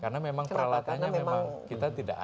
karena memang peralatannya memang kita tidak ada